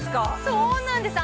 そうなんです